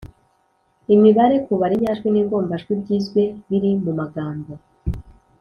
- imibare: kubara inyajwi n’ingombajwi byizwe biri mu magambo,